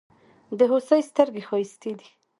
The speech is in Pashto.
د هوسۍ ستړگي ښايستې دي.